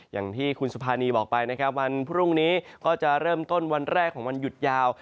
อย่างที่คุณสุภานีบอกไปนะครับวันพรุ่งนี้ก็จะเริ่มต้นวันแรกของวันหยุดยาว